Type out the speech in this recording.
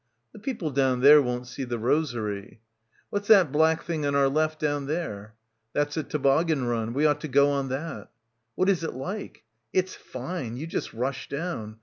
"The people down there won't see the rosary." "What's that black thing on our left down there ?" "That's the toboggan run. We ought to go on that." "What is it like?" "It's fine; you just rush down.